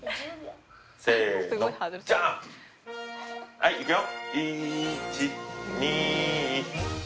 はいいくよ。